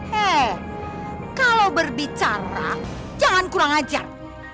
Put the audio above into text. hei kalau berbicara jangan kurang ajar